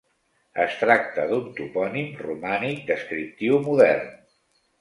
Es tracta d'un topònim romànic descriptiu, modern.